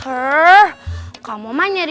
di dalam bandar